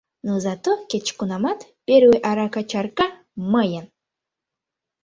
Но зато кеч-кунамат первый арака чарка — мыйын!